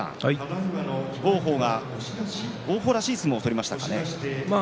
王鵬、王鵬らしい相撲を取りましたかね。